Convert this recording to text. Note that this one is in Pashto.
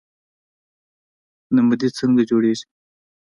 نمدې څنګه جوړیږي؟